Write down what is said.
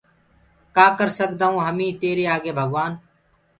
ڪآ ڪر سگدآئونٚ هميٚ تيريٚ آگي ڀگوآن